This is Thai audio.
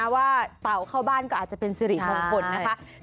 ว่าเป่าเข้าบ้านก็อาจจะเป็นสิริมงคลนะคะ